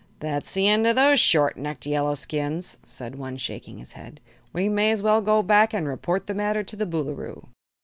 "That's the end of those short necked Yellowskins," said one, shaking his head. "We may as well go back and report the matter to the Boolooroo."